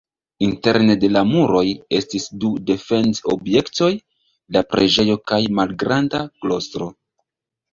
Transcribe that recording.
Interne de la muroj estis du defend-objektoj: la preĝejo kaj malgranda klostro.